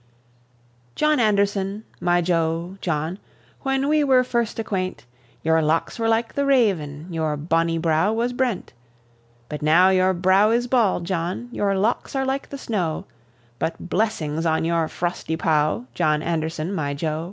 John Anderson, my jo, John, When we were first acquent Your locks were like the raven, Your bonnie brow was brent; But now your brow is bald, John, Your locks are like the snow; But blessings on your frosty pow, John Anderson, my jo.